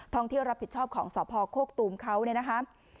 ท่องที่รับผิดชอบของสพโคกตูมเขานะฮะ